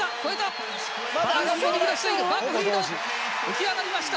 浮き上がりました。